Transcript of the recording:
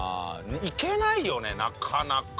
いけないよねなかなか。